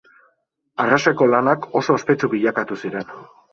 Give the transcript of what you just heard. Arraseko lanak oso ospetsu bilakatu ziren.